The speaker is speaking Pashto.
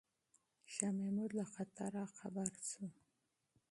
شاه محمود له خطره خبر شو.